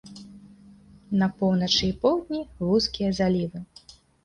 На поўначы і поўдні вузкія залівы.